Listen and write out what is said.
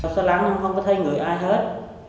xà lan không có thấy người ai hết